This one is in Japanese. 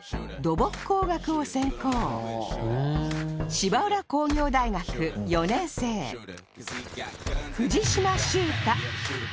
芝浦工業大学４年生藤島秀太